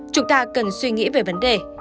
chúng ta cần suy nghĩ về vấn đề